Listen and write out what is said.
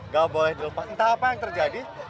gak boleh dilepas entah apa yang terjadi